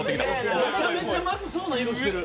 めちゃめちゃまずそうな色してる。